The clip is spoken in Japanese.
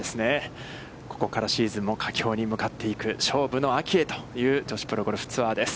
ここからシーズンも佳境に向かって行く、勝負の秋へという女子プロゴルフツアーです。